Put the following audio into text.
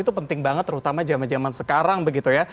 itu penting banget terutama zaman zaman sekarang begitu ya